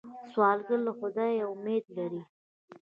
سوالګر له خدایه امید لري